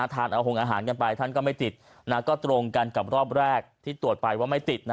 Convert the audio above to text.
ทานเอาหงอาหารกันไปท่านก็ไม่ติดก็ตรงกันกับรอบแรกที่ตรวจไปว่าไม่ติด